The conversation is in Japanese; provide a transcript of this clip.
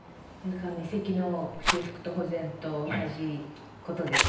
遺跡の修復と保全と同じことですね。